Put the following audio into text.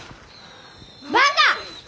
バカ！